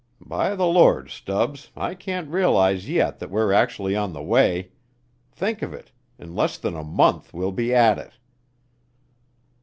By the Lord, Stubbs, I can't realize yet that we're actually on the way. Think of it, in less than a month we'll be at it!"